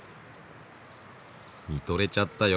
見とれちゃったよ。